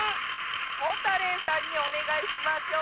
モタレイさんにおねがいしましょう。